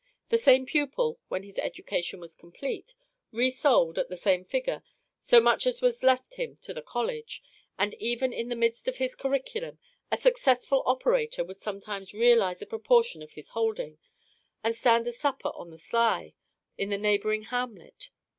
The same pupil, when his education was complete, resold, at the same figure, so much as was left him to the college; and even in the midst of his curriculum, a successful operator would sometimes realize a proportion of his holding, and stand a supper on the sly in the neighbouring hamlet.